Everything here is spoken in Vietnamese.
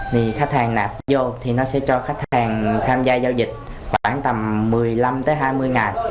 thì khách hàng nạp vô thì nó sẽ cho khách hàng tham gia giao dịch khoảng tầm một mươi năm tới hai mươi ngày